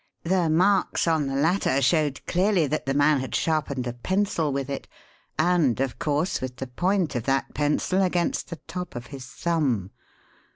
The marks on the latter showed clearly that the man had sharpened a pencil with it and, of course, with the point of that pencil against the top of his thumb.